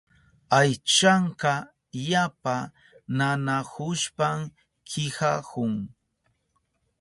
Aychanka yapa nanahushpan kihahun.